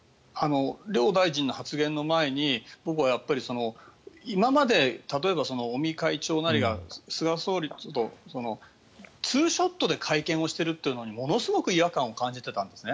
両大臣の発言の前に僕は今まで例えば尾身会長なりが菅総理とツーショットで会見をしてるというのにものすごく違和感を感じていたんですね。